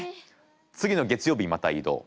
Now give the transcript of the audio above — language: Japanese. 次の月曜日また移動。